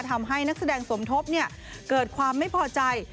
ทำให้นักแสดงสมทบเกิดความไม่พอใจ